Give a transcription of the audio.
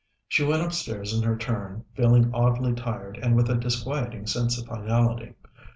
She went upstairs in her turn, feeling oddly tired and with a disquieting sense of finality.